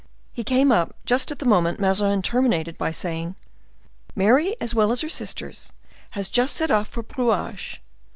He came up just at the moment Mazarin terminated by saying: "Mary, as well as her sisters, has just set off for Brouage.